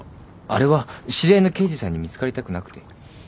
あれは知り合いの刑事さんに見つかりたくなくて。